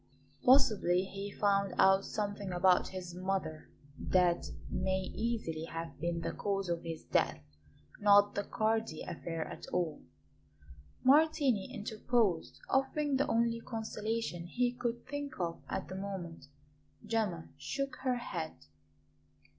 "Possibly he found out something about his mother that may easily have been the cause of his death, not the Cardi affair at all," Martini interposed, offering the only consolation he could think of at the moment. Gemma shook her head.